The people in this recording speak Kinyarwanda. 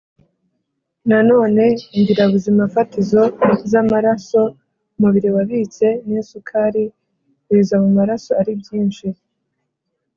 Nanone ingirabuzimafatizo z amaraso umubiri wabitse n isukari biza mu maraso ari byinshi